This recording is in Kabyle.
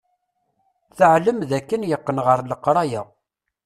Teɛlem d akken yeqqen ɣer leqraya.